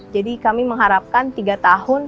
jadi kami mengharapkan tiga tahun